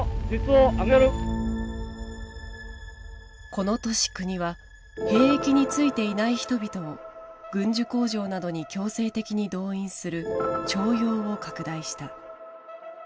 この年国は兵役についていない人々を軍需工場などに強制的に動員する「徴用」を拡大した。